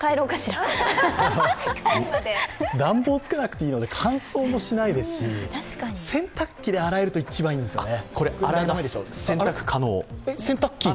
暖房つけなくていいので、乾燥もしないですし、洗濯機で洗えるといいんですけど。